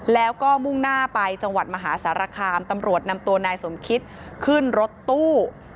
แล้วก็มุ่งหน้าไปจังหวัดมหาสารคามตำรวจนำตัวนายสมคิตขึ้นรถตู้